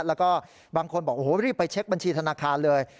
แล้วก็บางคนบอกโอ้โหรีบไปเช็คบัญชีธนาคารเลย